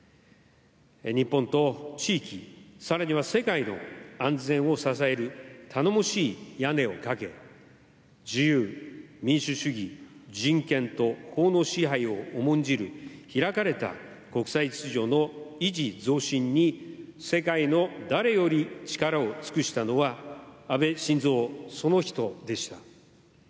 日本と地域更には世界の安全を支える頼もしい屋根をかけ自由、民主主義、人権と法の支配を重んじる開かれた国際秩序の維持・増進に世界の誰より力を尽くしたのは安倍晋三その人でした。